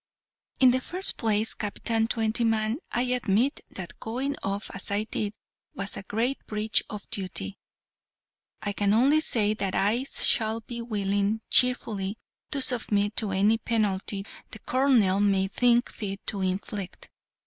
"In the first place, Captain Twentyman, I admit that going off as I did was a great breach of duty. I can only say that I shall be willing, cheerfully, to submit to any penalty the colonel may think fit to inflict.